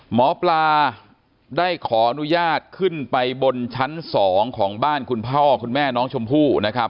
หมอปลาได้ขออนุญาตขึ้นไปบนชั้น๒ของบ้านคุณพ่อคุณแม่น้องชมพู่นะครับ